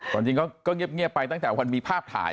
จริงก็เงียบไปตั้งแต่วันมีภาพถ่าย